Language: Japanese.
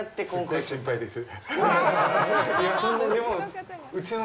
すっごい心配です。